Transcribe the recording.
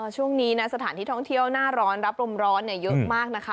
ช่วงนี้นะสถานที่ท่องเที่ยวหน้าร้อนรับลมร้อนเยอะมากนะคะ